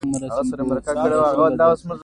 کله چې د ټولو اتباعو لپاره مدني حقونه ورکول کېږي.